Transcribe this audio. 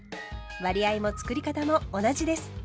割合もつくり方も同じです。